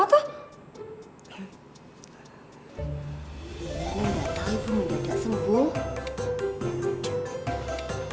ini udah tau bu ibu udah sembuh